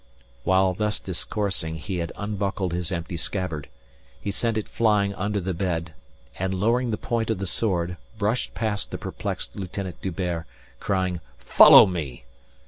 While thus discoursing he had unbuckled his empty scabbard. He sent it flying under the bed, and, lowering the point of the sword, brushed past the perplexed Lieutenant D'Hubert, crying: "Follow me."